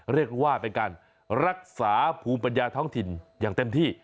เรียกว่าเป็นการรักษาภูมิปัญญาท้องถิ่นอย่างเต็มที่